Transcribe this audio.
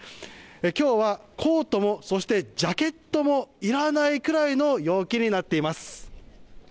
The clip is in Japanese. きょうはコートもそしてジャケットもいらないくらいの陽気になっています。